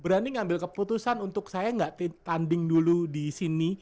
berani ngambil keputusan untuk saya nggak tanding dulu di sini